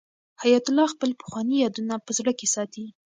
حیات الله خپل پخواني یادونه په زړه کې ساتي.